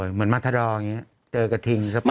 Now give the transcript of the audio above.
เหมือนมาถรรดิเจอกระทิงสัวพยัน